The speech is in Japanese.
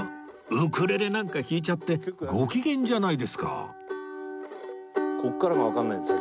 ウクレレなんか弾いちゃってご機嫌じゃないですか